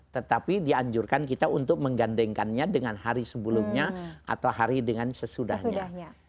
tetapi dianjurkan kita untuk menggandengkannya dengan hari sebelumnya atau hari dengan sesudahnya